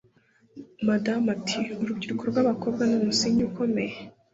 Madamu ati urubyiruko rw'abakobwa n umusingi ukomeye